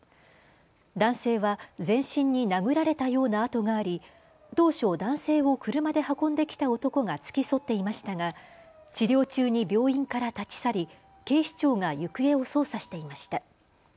男性は全身に殴られたような痕があり当初、男性を車で運んできた男が付き添っていましたが治療中に病院から立ち去り警視庁が行方を捜査していました。